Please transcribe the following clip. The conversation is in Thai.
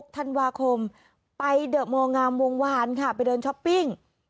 ธันวาคมไปเดอะโมงามวงวานค่ะไปเดินช้อปปิ้ง